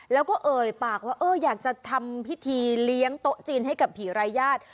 แล้วก็เอ่ยปากว่าเอออยากจะทำพิธีเลี้ยงโต๊ะจีนให้กับผีรายญาติ